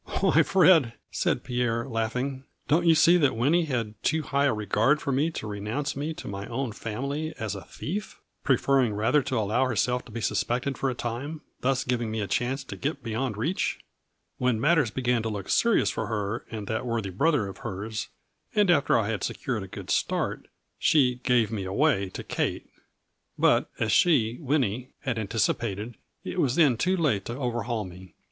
" Why, Fred," said Pierre, laughing, " don't you see that Winnie had too high a regard for me to renounce me to my own family as a thief, preferring rather to allow herself to be suspected for a time, thus giving me a chance to get be yond reach ? When matters began to look serious for her and that worthy brother of hers, and after I had secured a good start, she ' gave 210 A FLURRY IN DIAMONDS. me away 9 to Kate, but, as she, Winnie, had anticipated, it was then too late to overhaul me.